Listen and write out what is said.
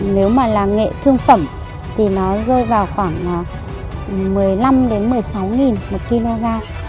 nếu mà làng nghệ thương phẩm thì nó rơi vào khoảng một mươi năm một mươi sáu một kg